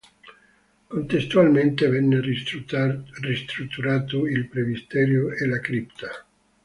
Contestualmente venne ristrutturato il presbiterio e la cripta.